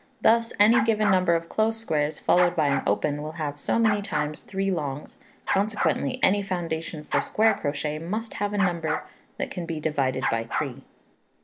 Thus, any given number of close squares, followed by an open, will have so many times three L's; consequently any foundation for square crochet must have a number that can be divided by three.